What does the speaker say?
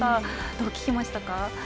どう聞きましたか？